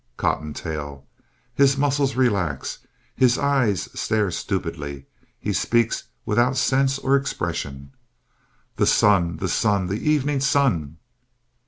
COTTONTAIL (His muscles relax. His eyes stare stupidly. He speaks without sense or expression) _The Sun! The Sun! The Evening Sun!